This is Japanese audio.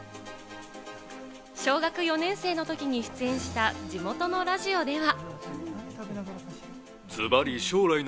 小学４年生の時に出演した地元のラジオでは。